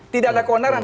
tidak ada keonaran